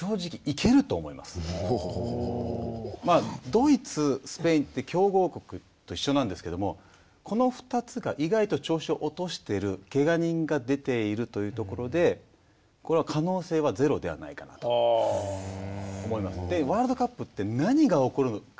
ドイツスペインって強豪国と一緒なんですけどもこの２つが意外と調子を落としてるけが人が出ているというところでこれは可能性はゼロではないかなと思います。